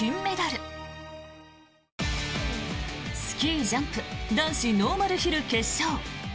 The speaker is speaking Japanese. スキージャンプ男子ノーマルヒル決勝。